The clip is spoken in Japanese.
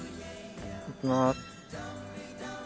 いきます。